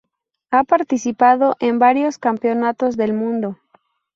Ha participado en varios campeonatos del mundo.